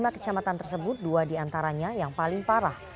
lima kecamatan tersebut dua di antaranya yang paling parah